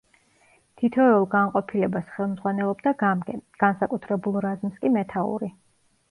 თითოეულ განყოფილებას ხელმძღვანელობდა გამგე, განსაკუთრებულ რაზმს კი მეთაური.